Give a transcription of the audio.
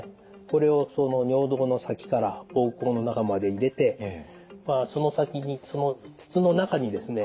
これを尿道の先から膀胱の中まで入れてその先にその筒の中にですね